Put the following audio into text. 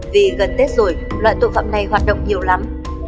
vì gần tết rồi loại tội phạm này hoạt động nhiều lắm